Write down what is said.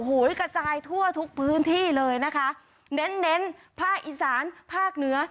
กระจายทั่วทุกพื้นที่เลยนะคะเน้นเน้นภาคอีสานภาคเหนือ